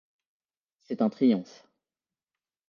C'est un triomphe.